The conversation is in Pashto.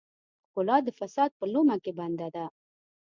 ښکلا د فساد په لومه کې بنده ده.